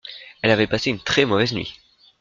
Elle avait passé une très mauvaise nuit.